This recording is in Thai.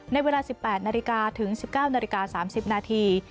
ในเวลา๑๘นาฬิกาถึง๑๙นาฬิกา๓๐นาที